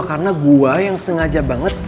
karena gue yang sengaja banget